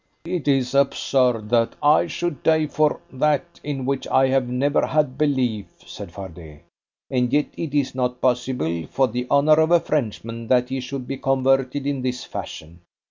"It is absurd that I should die for that in which I have never had belief," said Fardet. "And yet it is not possible for the honour of a Frenchman that he should be converted in this fashion."